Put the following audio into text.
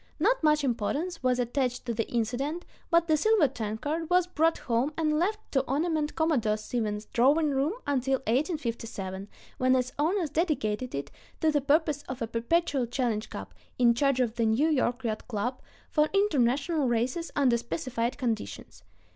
Not much importance was attached to the incident, but the silver tankard was brought home and left to ornament Commodore Stevens' drawing room until 1857, when its owners dedicated it to the purpose of a perpetual challenge cup, in charge of the New York Yacht Club, for international races under specified conditions.